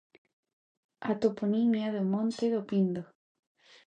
A toponimia do monte do Pindo.